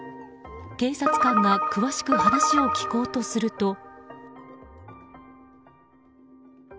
警察官が詳しく話を聞こうとすると。